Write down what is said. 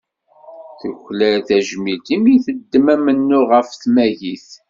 Tuklal tajmilt i mi teddem amennuɣ ɣef tmagit.